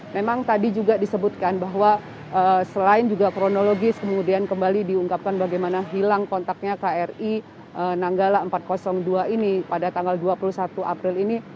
memang tadi juga disebutkan bahwa selain juga kronologis kemudian kembali diungkapkan bagaimana hilang kontaknya kri nanggala empat ratus dua ini pada tanggal dua puluh satu april ini